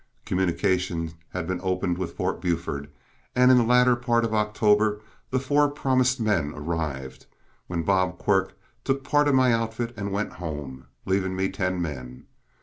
Communication had been opened with Fort Buford, and in the latter part of October the four promised men arrived, when Bob Quirk took part of my outfit and went home, leaving me ten men.